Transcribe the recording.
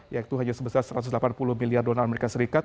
yaitu hanya sebesar satu ratus delapan puluh miliar dolar amerika serikat